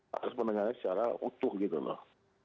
harus mendengarnya secara utuh gitu loh